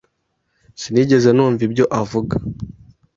Sinigeze numva ibyo avuga.